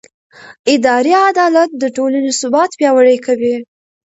اداري عدالت د ټولنې ثبات پیاوړی کوي.